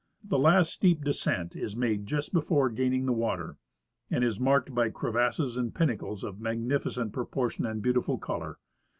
The last steep descent is made just before gaining the water, and is marked by crevasses and pinnacles of magnificent proportion and beautiful color.